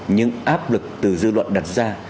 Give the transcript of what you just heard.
những áp lực từ dư luận đặt ra